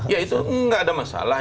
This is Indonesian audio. ya itu nggak ada masalah